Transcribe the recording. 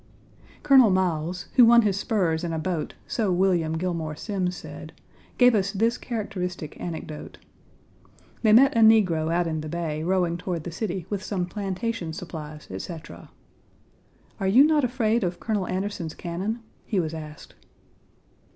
Colonel Miles (who won his spurs in a boat, so William Gilmore Simms 1 said) gave us this characteristic anecdote. They met a negro out in the bay rowing toward the city with some plantation supplies, etc. "Are you not afraid of Colonel Anderson's cannon?" he was asked.